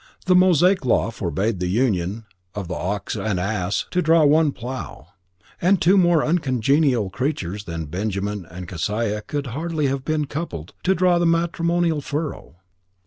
The Mosaic law forbade the union of the ox and the ass to draw one plough; and two more uncongenial creatures than Benjamin and Kesiah could hardly have been coupled to draw the matrimonial furrow.